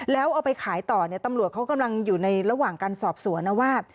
แล้วเอาไปขายต่อเนี่ยตำรวจเขากำลังอยู่ในระหว่างการสอบสวนนะว่า